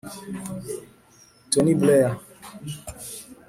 Tony Blair